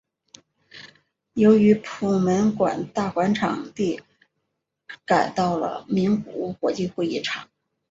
由于普门馆大馆场地改到了名古屋国际会议场。